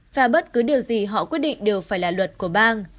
và bất cứ điều gì họ quyết định đều phải là luật của bang